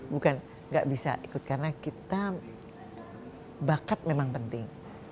bukan nggak bisa ikut karena kita bakat memang penting